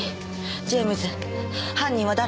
ジェームズ犯人は誰？